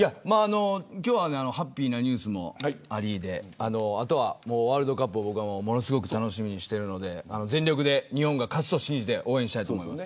今日はハッピーなニュースもありであとはワールドカップもものすごく楽しみにしているので全力で日本が勝つと信じて応援したいです。